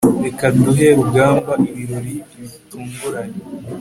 reka duhe rugamba ibirori bitunguranye